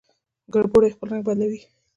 کربوړی خپل رنګ بدلوي